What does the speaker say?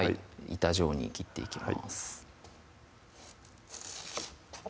板状に切っていきます